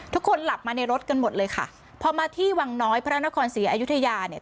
ทุกคนหลับมาในรถกันหมดเลยค่ะพอมาที่วังน้อยพระนครศรีอยุธยาเนี่ย